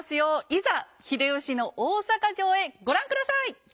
いざ秀吉の大坂城へご覧下さい！